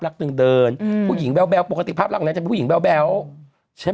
ลักษณ์เดินผู้หญิงแบวแบวปกติภาพลักษณะผู้หญิงแบวแบวใช่